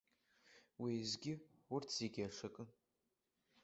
Уеизгьы урҭ зегьы аҽакын.